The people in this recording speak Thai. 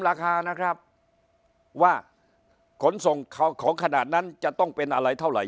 ราคานะครับว่าขนส่งของขนาดนั้นจะต้องเป็นอะไรเท่าไห